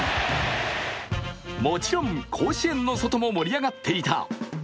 もちろん甲子園の外も盛り上がっていた。